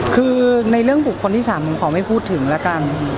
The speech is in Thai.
คือในเรื่องบุคคลที่๓ผมขอไม่พูดถึงแล้วกัน